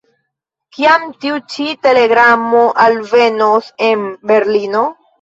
Kiam tiu ĉi telegramo alvenos en Berlino?